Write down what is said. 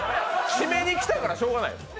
締めに来たからしようがない。